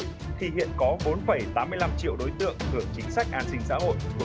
khi hiện có bốn tám mươi năm triệu đối tượng hưởng chính sách an sinh xã hội